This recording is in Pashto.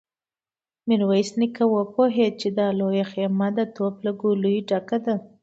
ميرويس نيکه وپوهيد چې دا لويه خيمه د توپ له ګوليو ډکه ده.